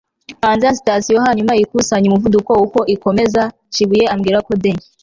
hanze ya sitasiyo hanyuma ikusanya umuvuduko uko ikomeza, chibuye ambwira ko the